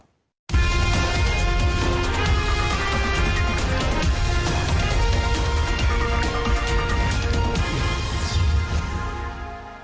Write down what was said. สวัสดีครับ